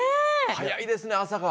早いですね朝が。